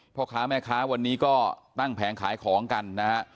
พ่อค้าแม่ค้าวันนี้ก็ตั้งแผงขายของกันนะฮะ